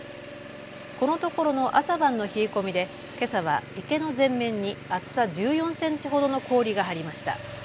このところの朝晩の冷え込みでけさは池の全面に厚さ１４センチほどの氷が張りました。